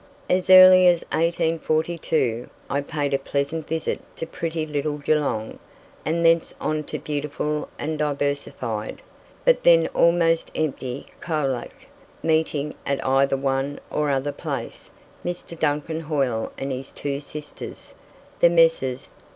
As early as 1842, I paid a pleasant visit to pretty little Geelong, and thence on to beautiful and diversified, but then almost empty, Colac, meeting, at either one or other place, Mr. Duncan Hoyle and his two sisters; the Messrs.